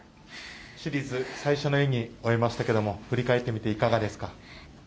シリーズ最初の演技を終えましたけど振り返ってみていかがですか？